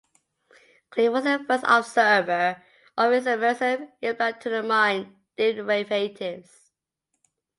Cleve was the first observer of isomerism in platinumamine derivatives.